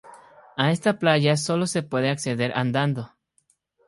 A esta playa solo se puede acceder andando.